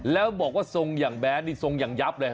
แล้วบอกว่าทรงอย่างแบดนี่ทรงอย่างยับเลย